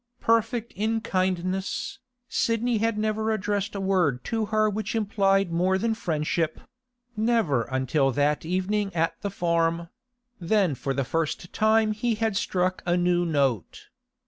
Perfect in kindness, Sidney had never addressed a word to her which implied more than friendship—never until that evening at the farm; then for the first time had he struck a new note.